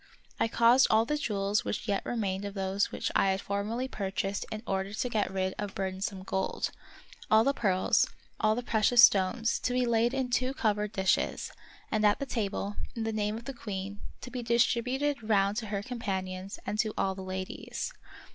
I caused all the jewels which yet remained of those which I had formerly purchased in order to get rid of bur of Peter SchlemihL 41 densome gold — all the pearls, all the precious stones — to be laid in two covered dishes, and at the table, in the name of the queen, to be dis tributed round to her companions and to all the ladies.